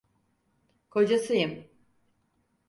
Kocasıyım.